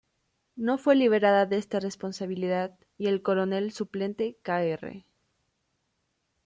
No fue liberada de esta responsabilidad, y el coronel suplente Kr.